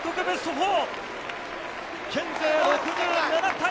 ベスト４！